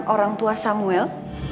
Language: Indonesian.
orang tua samuel